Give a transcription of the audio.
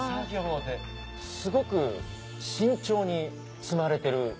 すごく慎重に積まれてる。